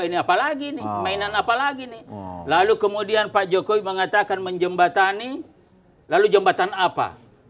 ini apalagi mainan apalagi nih lalu kemudian pak jokowi mengatakan menjembatani lalu jembatan apa